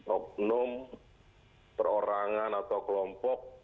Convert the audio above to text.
obnum perorangan atau kelompok